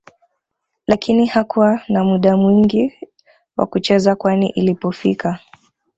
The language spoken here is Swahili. lakini hakuwa na muda mwingi wa kucheza kwani ilipofika